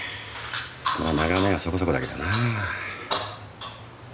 まあ眺めはそこそこだけどなあ